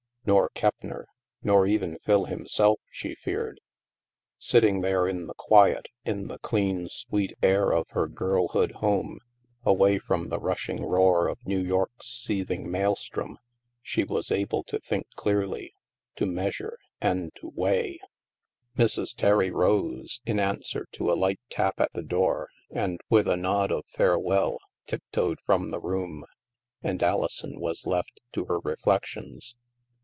Nor Keppner ! Nor even Phil himself, she feared. Sitting there in the quiet, in the clean sweet air of her girlhood home, away from the rushing roar of New York's seething maelstrom, she was able to think clearly, to measure, and to weigh. 2i6 THE MASK Mrs. Terry rose, in answer to a light tap at the door and, with a nod of farewell, tiptoed from the room. And Alison was left to her reflections.